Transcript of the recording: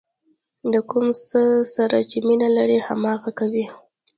د کوم څه سره چې مینه لرئ هماغه کوئ.